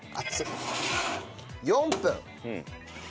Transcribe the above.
４分。